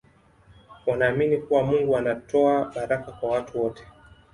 wanaamini kuwa mungu anatoa baraka kwa watu wote